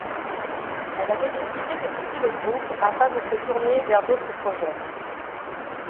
Elle avait décidé de quitter le groupe afin de se tourner vers d’autres projets.